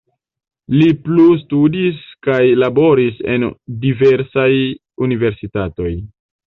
Li plustudis kaj laboris en diversaj universitatoj.